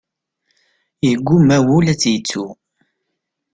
Yeggumma wul ad tt-yettu.